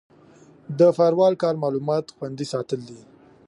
د فایروال کار معلومات خوندي ساتل دي.